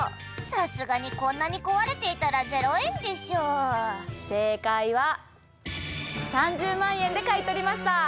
さすがにこんなに壊れていたらゼロ円でしょう正解は３０万円で買い取りました！